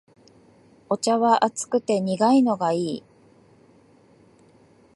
お茶は熱くて苦いのがいい